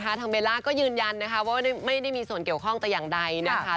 ทางเบลล่าก็ยืนยันนะคะว่าไม่ได้มีส่วนเกี่ยวข้องแต่อย่างใดนะคะ